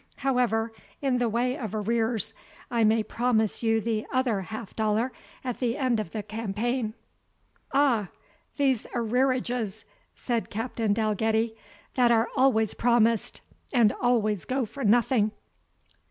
However, in the way of arrears, I may promise you the other half dollar at the end of the campaign." "Ah! these arrearages!" said Captain Dalgetty, "that are always promised, and always go for nothing!